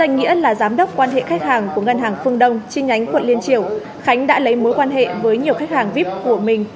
ngân hàng phương đông chi nhánh quận liên triều khánh đã lấy mối quan hệ với nhiều khách hàng vip của mình